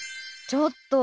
ちょっと！